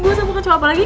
gue sama kecoa apa lagi